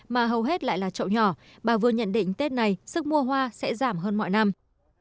mà hầu hết lại là trậu nhỏ bà vương nhận định tết này sức mua hoa sẽ giảm hơn mọi năm